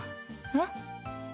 えっ？